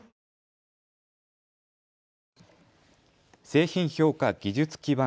製品評価技術基盤